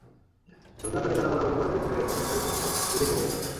সন্ধ্যাকালে তারা বলাবলি করে যে, শুনে রেখ, নির্ধারিত সময়ের দুইদিন কেটে গেছে।